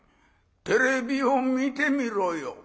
テレビを見てみろよ。